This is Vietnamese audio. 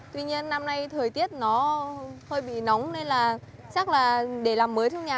tuy nhiên năm nay thời tiết nó hơi bị nóng nên là chắc là để làm mới trong nhà